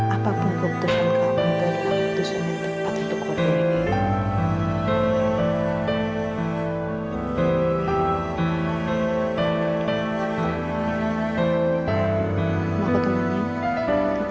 apapun keputusan kamu tidak adalah keputusan yang tepat